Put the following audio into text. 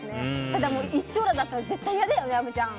ただ、一張羅だったら絶対嫌だよね、虻ちゃん。